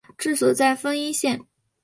治所在汾阴县。